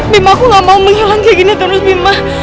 bima aku gak mau menyelam kayak gini terus bima